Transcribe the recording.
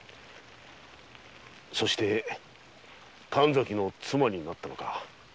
そして神崎の妻になったのか。